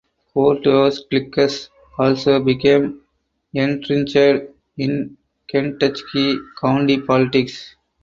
Courthouse cliques also became entrenched in Kentucky county politics.